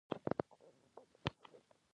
دا طالب د شریعت پر مرۍ چاړه ایښې وه.